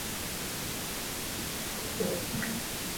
na kupunguza pengo kati mataifa tajiri na maskini